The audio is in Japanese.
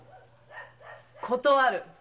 断る。